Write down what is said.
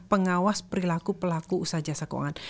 pengawas perilaku pelaku usaha jasa keuangan